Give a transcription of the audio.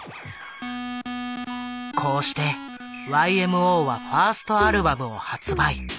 こうしてＹＭＯはファーストアルバムを発売。